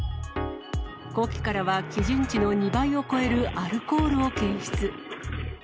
呼気からは基準値の２倍を超えるアルコールを検出。